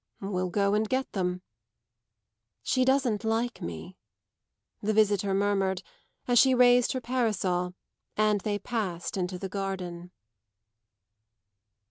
"We'll go and get them." "She doesn't like me," the visitor murmured as she raised her parasol and they passed into the garden.